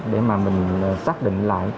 để mà mình xác định lại